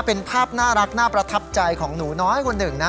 เป็นภาพน่ารักน่าประทับใจของหนูน้อยคนหนึ่งนะ